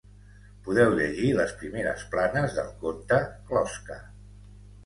Podeu llegir les primeres planes del conte ‘Closca’.